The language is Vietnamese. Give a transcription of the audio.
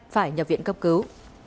phải nhập viện cấp cứu